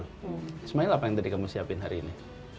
sebenarnya apa yang tadi kamu siapin hari ini